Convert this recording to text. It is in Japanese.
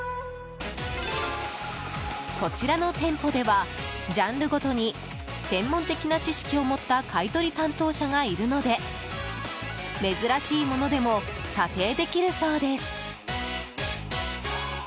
こちらの店舗ではジャンルごとに専門的な知識を持った買い取り担当者がいるので珍しいものでも査定できるそうです。